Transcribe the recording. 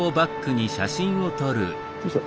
よいしょ。